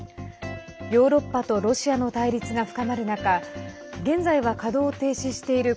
ヨーロッパとロシアの対立が深まる中現在は稼働を停止している